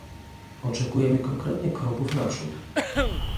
Oczekujemy konkretnych kroków naprzód